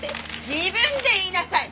自分で言いなさい！